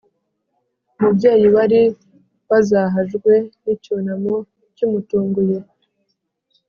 Umubyeyi wari wazahajwe n’icyunamo kimutunguye,